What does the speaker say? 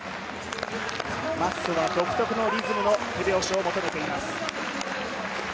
マッソは独特なリズムの手秒を求めています。